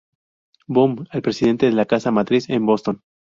Bomb al presidente de la casa matriz en Boston.